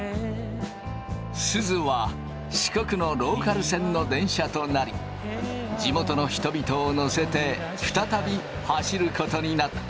すずは四国のローカル線の電車となり地元の人々を乗せて再び走ることになった。